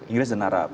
inggris dan arab